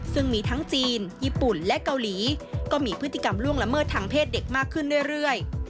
ซึ่งมีทั้งจีนญี่ปุ่นและเกาหลีก็มีพฤติกรรมล่วงละเมิดทางเพศเด็กมากขึ้นเรื่อย